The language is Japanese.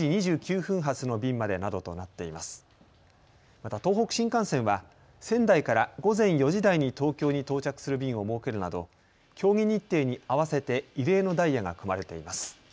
また東北新幹線は仙台から午前４時台に東京に到着する便を設けるなど競技日程に合わせて異例のダイヤが組まれています。